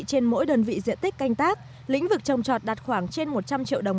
trên mỗi đơn vị diện tích canh tác lĩnh vực trồng trọt đạt khoảng trên một trăm linh triệu đồng